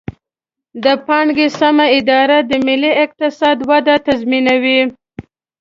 د پانګې سمه اداره د ملي اقتصاد وده تضمینوي.